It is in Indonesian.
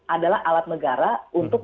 adalah alat negara untuk